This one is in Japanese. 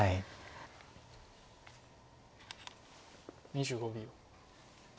２５秒。